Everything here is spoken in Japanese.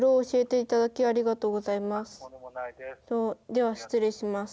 では失礼します。